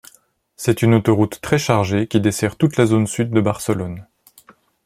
C'est une autoroute très chargée qui dessert toute la zone sud de Barcelone.